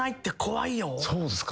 そうですかね？